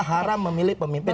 haram memilih pemimpin